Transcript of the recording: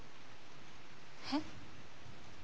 えっ？